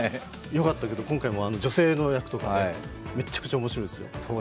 よかったけど、今回も女性の役とかめちゃくちゃ面白いですよ。